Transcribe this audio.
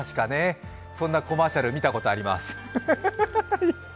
そんなコマーシャル、見たことがあります。